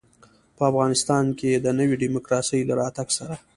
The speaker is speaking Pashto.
په افغانستان کې د نوي ډيموکراسۍ له راتګ سره.